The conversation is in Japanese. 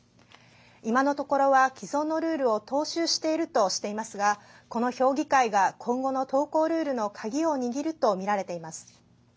今のところは既存のルールを踏襲しているとしていますがこの評議会が今後の投稿ルールの鍵を握るとみられています。